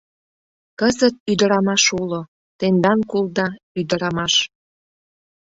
Кызыт ӱдырамаш уло, тендан кулда — ӱдырамаш.